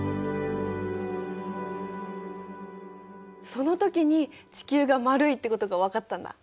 その時に地球が丸いってことがわかったんだ。